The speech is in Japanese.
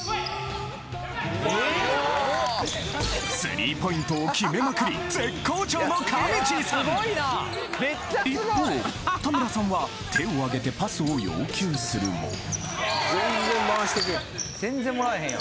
スリーポイントを決めまくり絶好調のかみちぃさん一方田村さんは手をあげてパスを要求するも全然回してけぇへん。